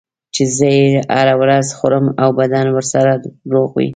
چې زه یې هره ورځ خورم او بدنم ورسره روغ وي.